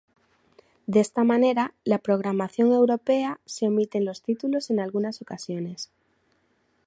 De esta manera, la programación europea, se omiten los títulos en algunas ocasiones.